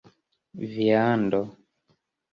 viando